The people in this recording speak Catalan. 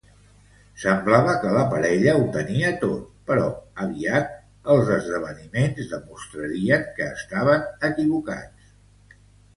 Semblava que la parella ho tenia tot, però aviat els esdeveniments demostrarien que estaven equivocats.